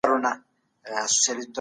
سالم ذهنیت مو له فکري ګډوډۍ ساتي.